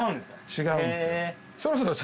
違うんですよ